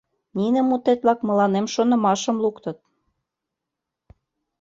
Нине мутет-влак мыланем шонымашым, луктыт.